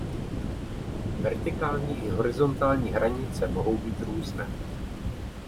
Vertikální i horizontální hranice mohou být různé.